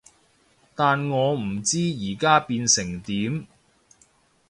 但我唔知而家變成點